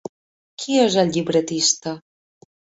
Qui és el llibretista?